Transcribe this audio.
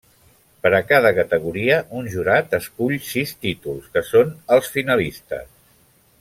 Per a cada categoria, un jurat escull sis títols que són els finalistes.